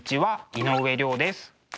井上涼です。